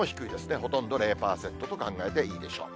ほとんど０％と考えていいでしょう。